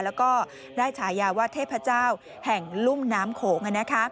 แล้วก็ได้ฉายาว่าเทพเจ้าแห่งลุ่มน้ำโขง